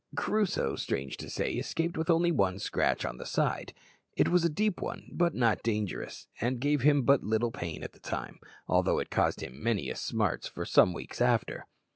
Crusoe, strange to say, escaped with only one scratch on the side. It was a deep one, but not dangerous, and gave him but little pain at the time, although it caused him many a smart for some weeks after.